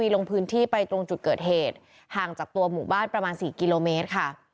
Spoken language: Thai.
ลงพื้นที่ไปตรงจุดเกิดเหตุห่างจากตัวหมู่บ้านประมาณ๔กิโลเมตรค่ะ